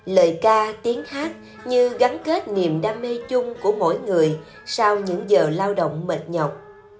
lời ca tiếng hát như gắn kết niềm đam mê chung của mỗi người sau những giờ lao động mệt nhọc